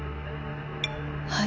「はい」